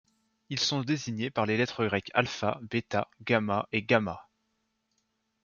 Ils sont désignés par les lettres grecs α, β, γ et γ.